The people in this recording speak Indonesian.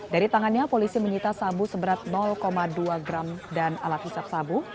dari tangannya polisi menyita sabu seberat dua gram dan alat hisap sabu